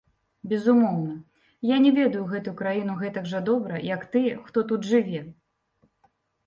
Безумоўна, я не ведаю гэтую краіну гэтак жа добра, як тыя, хто тут жыве.